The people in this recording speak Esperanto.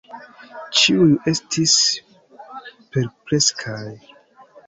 Ĉiuj estis perpleksaj.